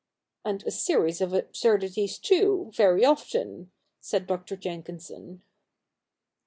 ' And a series of absurdities too, very often,' said Dr. Jenkinson.